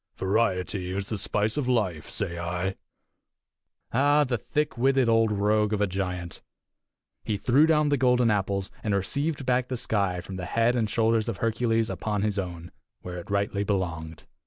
Variety is the spice of life, say I." Ah, the thick witted old rogue of a giant! He threw down the golden apples, and received back the sky from the head and shoulders of Hercules upon his own, where it rightly belonged.